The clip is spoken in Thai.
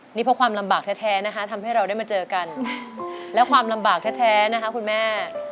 นี่เพราะความลำบากแท้นะคะทำให้เราได้มาเจอกันและความลำบากแท้นะคะคุณแม่